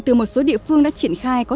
từ một số địa phương đã triển khai có